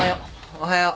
おはよう。